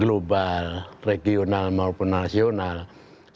kalau kita lihat dari segi ideologi dan perkembangan global regional maupun nasional